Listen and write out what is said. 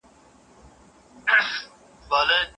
هغه له سهاره زما د لیکني پر سمون بوخت دی.